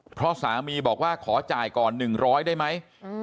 เพราะสามีบอกว่าขอจ่ายก่อน๑๐๐ได้ไหม